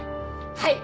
はい！